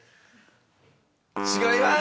違います！